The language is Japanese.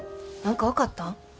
何か分かったん？